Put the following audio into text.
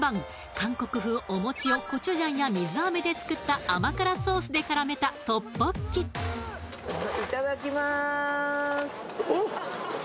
韓国風おもちをコチュジャンや水あめで作った甘辛ソースで絡めたいただきます